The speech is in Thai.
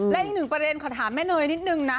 และอีกหนึ่งประเด็นขอถามแม่เนยนิดนึงนะ